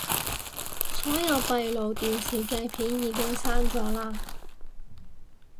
所有閉路電視嘅片已經刪咗喇